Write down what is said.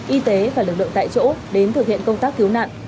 y tế và lực lượng tại chỗ đến thực hiện công tác cứu nạn